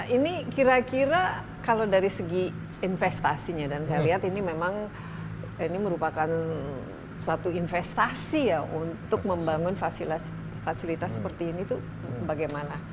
ini kira kira kalau dari segi investasinya dan saya lihat ini memang ini merupakan suatu investasi ya untuk membangun fasilitas seperti ini tuh bagaimana